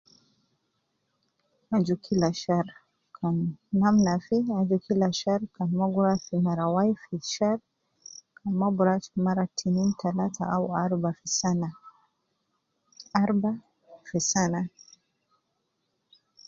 Aju kila shar ,kan namna fi aju kila shar, kanma gurua soo mara wai fi shar , kanma gurua soo mara tinin, talata au arba fi sana , arba fi sana.